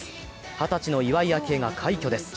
二十歳の岩井明愛が快挙です。